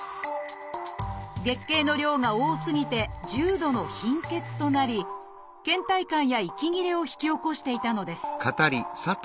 月経の量が多すぎて重度の貧血となりけん怠感や息切れを引き起こしていたのです